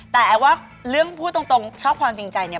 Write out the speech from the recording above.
แต่ไอ้ว่าเรื่องพูดตรงชอบความจริงใจเนี่ย